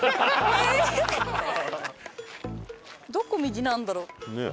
どこを右なんだろう？ねえ。